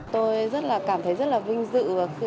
tôi cảm thấy rất là vinh dự